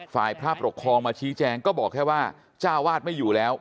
ฝ่ายพระปกครองมาชี้แจงก็บอกแค่ว่าเจ้าวาดไม่อยู่แล้ว